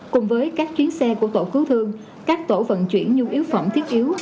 cùng với các chuyến xe của tổ cứu thương các tổ vận chuyển nhu yếu phẩm thiết yếu